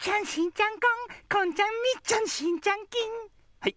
はい。